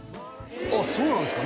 あっそうなんですか？